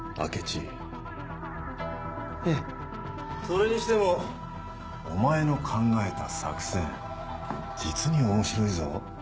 それにしてもお前の考えた作戦実に面白いぞ？